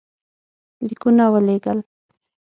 لیکونه ولېږل.